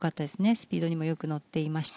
スピードにもよく乗っていました。